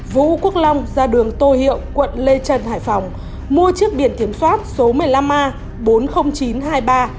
vũ quốc long ra đường tô hiệu quận lê trân hải phòng mua chiếc biển kiểm soát số một mươi năm a bốn mươi nghìn chín trăm hai mươi ba